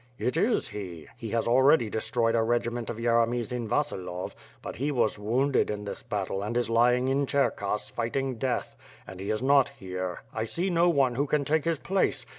"It is he; he has already destroyed a regiment of Yeremy 's in Vasilov, but he was wounded in this battle and is lying in Cherkass, fighting death; and he is not here, I see no one who can take his place.